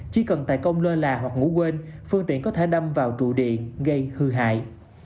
chỉ cần tài công lơ là hoặc ngủ quên phương tiện có thể đâm vào trụ điện gây hư hại